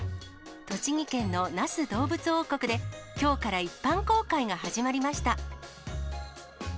栃木県の那須どうぶつ王国で、きょうから一般公開が始まりました。